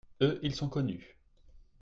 Eux, ils sont connus.